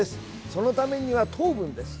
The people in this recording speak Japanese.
そのためには糖分です。